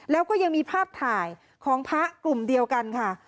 แล้วก็ยังมีภาพถ่ายของพระกลุ่มเดียวกันค่ะ